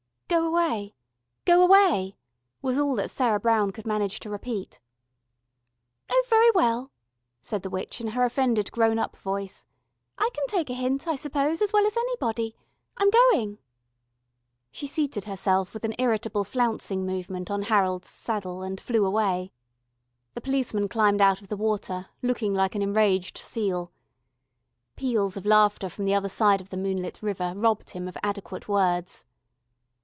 "Go away, go away," was all that Sarah Brown could manage to repeat. "Oh, very well," said the witch in her offended grown up voice. "I can take a hint, I suppose, as well as anybody. I'm going." She seated herself with an irritable flouncing movement on Harold's saddle, and flew away. The policeman climbed out of the water, looking like an enraged seal. Peals of laughter from the other side of the moonlit river robbed him of adequate words.